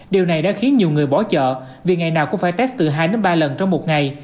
điều này đã khiến nhiều người bỏ chợ vì ngày nào cũng phải test từ hai đến ba lần trong một ngày